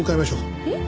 えっ？